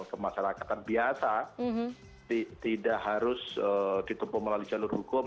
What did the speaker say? kemasyarakatan biasa tidak harus ditempuh melalui jalur hukum